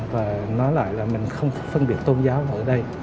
và nó lại là mình không phân biệt tôn giáo ở đây